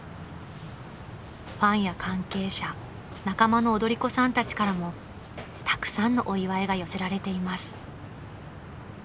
［ファンや関係者仲間の踊り子さんたちからもたくさんのお祝いが寄せられています］